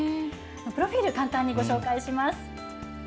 プロフィール、簡単にご紹介します。